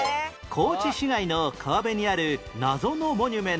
高知市内の川辺にある謎のモニュメント